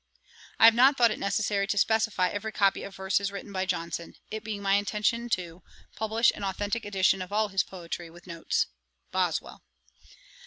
I have not thought it necessary to specify every copy of verses written by Johnson, it being my intention to, publish an authentick edition of all his Poetry, with notes. BOSWELL.